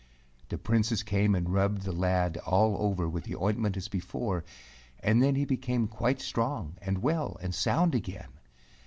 The Princess came and rubbed the lad all over with the ointment as before and then he became quite strong and well and sound again.